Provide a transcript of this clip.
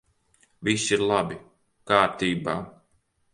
Viss ir labi! Kārtībā!